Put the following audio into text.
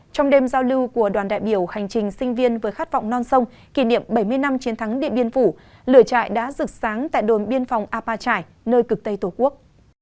trong đêm giao lưu của đoàn đại biểu hành trình sinh viên với khát vọng non sông kỷ niệm bảy mươi năm chiến thắng điện biên phủ lửa trại đã rực sáng tại đồn biên phòng apa trải nơi cực tây tổ quốc